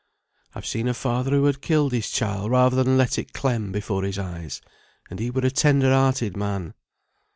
"I've seen a father who had killed his child rather than let it clem before his eyes; and he were a tender hearted man."